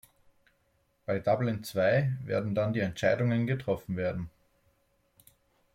Bei Dublin Zwei werden dann die Entscheidungen getroffen werden.